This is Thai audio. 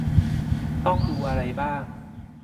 ต้องดูอะไรบ้าง